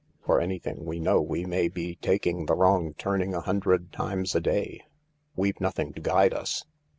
For anything we know, we may be taking the wrong turning a hundred times a day. We've nothing to guide us."